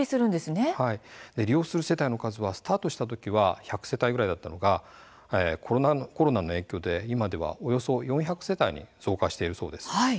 利用する世帯の数はスタートしたときは１００世帯くらいだったのがコロナの影響で今ではおよそ４００世帯に増加しているそうです。